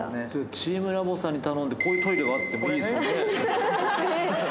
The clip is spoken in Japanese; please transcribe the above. チームラボさんに頼んで、こういうトイレがあってもいいですよね。